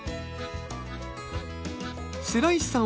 白石さん